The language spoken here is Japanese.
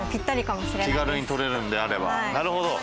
気軽に取れるんであれば。